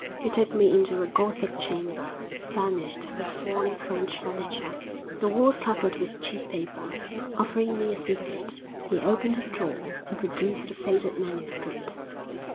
He took me into a Gothic chamber, furnished with worn French furniture, the walls covered with cheap paper. Offering me a cigarette, he opened a drawer and produced a faded manuscript.